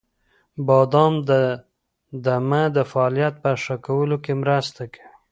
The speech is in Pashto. • بادام د دمه د فعالیت په ښه کولو کې مرسته کوي.